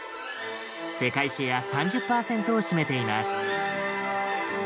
世界シェア３０％を占めています。